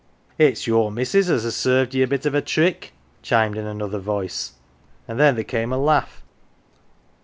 """ Ifs your missus as has served ye a bit of a trick," chimed in another voice, and then there came a laugh.